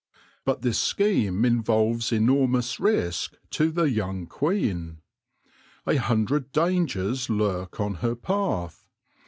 But this scheme involves enormous risk to the young queen. A hundred dangers lurk on her path.